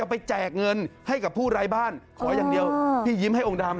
สำหรับพวกหนะดูแลกรอบบ้านทาง๖อย่างเดียวฮะพี่ยิ้มให้องค์ดำ